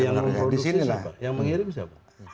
yang mengproduksi siapa yang mengirim siapa